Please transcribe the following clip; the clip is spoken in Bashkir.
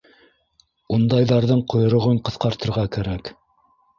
Ундайҙарҙың ҡойроғон ҡыҫҡартырға кәрәк.